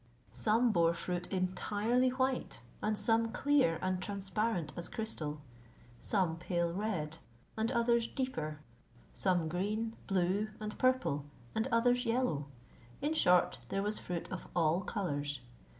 Some bore fruit entirely white, and some clear and transparent as crystal; some pale red, and others deeper; some green, blue, and purple, and others yellow: in short, there was fruit of all colours.